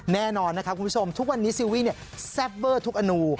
แน่นอนนะครับคุณผู้ชมทุกวันนี้ซีรีสแซ่บเบอร์ทุกอนู